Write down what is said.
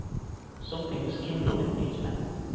Something was kindled in these men.